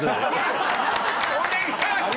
お願い。